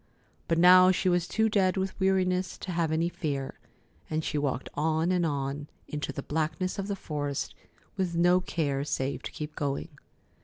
But now she was too dead with weariness to have any fear, and she walked on and on into the blackness of the forest, with no care save to keep going.